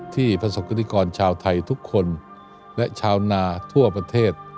ประสบกรณิกรชาวไทยทุกคนและชาวนาทั่วประเทศ